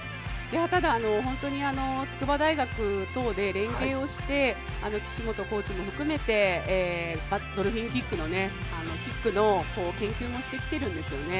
ただ、本当に筑波大学等で連携をして岸本コーチも含めてドルフィンキックのキックの研究もしてきてるんですよね。